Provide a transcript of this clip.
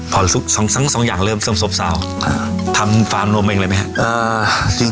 พอสองอย่างเริ่มส้มทำฟาร์มนมเองเลยไหมครับ